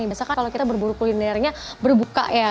misalkan kalau kita berburu kulinernya berbuka ya